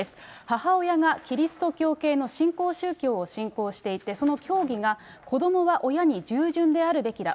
母親がキリスト教系の新興宗教を信仰していて、その教義が、子どもは親に従順であるべきだ。